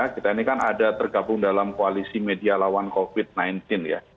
kita ini kan ada tergabung dalam koalisi media lawan covid sembilan belas ya